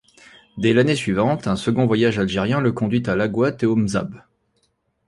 Dès l'année suivante, un second voyage algérien le conduit à Laghouat et au Mzab.